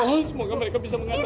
semoga mereka bisa mengatasi dia